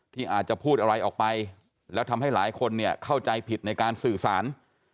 ที่อาจจะพูดอะไรออกไปแล้วทำให้หลายคนเนี่ยเข้าใจผิดในการสื่อสาร